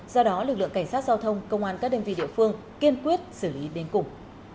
do đó lực lượng cảnh sát giao thông công an các đơn vị địa phương kiên quyết xử lý đến cùng